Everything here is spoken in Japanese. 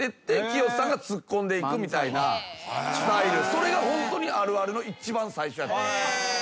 それがホントにあるあるの一番最初やった。